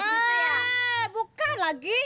eh bukan lagi